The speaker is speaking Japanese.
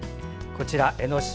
こちら江の島。